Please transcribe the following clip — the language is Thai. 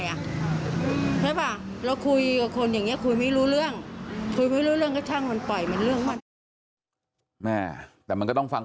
ใช่ไหมเราคุยกับคนอย่างนี้คุยไม่รู้เรื่อง